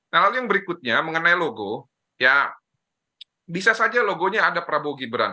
nah lalu yang berikutnya mengenai logo ya bisa saja logonya ada prabowo gibran